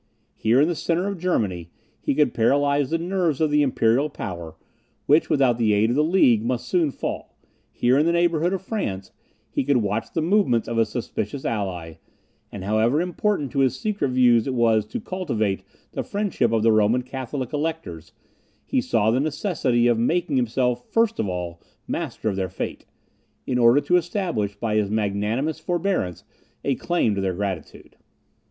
Here, in the centre of Germany, he could paralyse the nerves of the imperial power, which, without the aid of the League, must soon fall here, in the neighbourhood of France, he could watch the movements of a suspicious ally; and however important to his secret views it was to cultivate the friendship of the Roman Catholic electors, he saw the necessity of making himself first of all master of their fate, in order to establish, by his magnanimous forbearance, a claim to their gratitude.